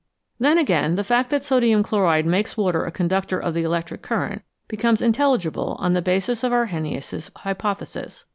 Then, again, the fact that sodium chloride makes water a conductor of the electric current becomes in telligible on the basis of Arrhenius' hypothesis.